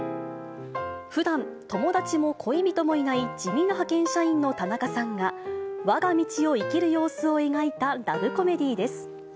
ふだん、友達も恋人もいない、地味な派遣社員の田中さんが、わが道を生きる様子を描いたラブコメディーです。